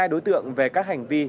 một mươi hai đối tượng về các hành vi